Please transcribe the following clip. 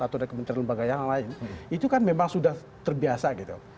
atau dari kementerian lembaga yang lain itu kan memang sudah terbiasa gitu